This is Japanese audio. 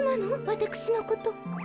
わたくしのこと。